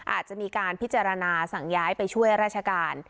อาจจะมีการพิจารณาสั่งย้ายไปช่วยราชการ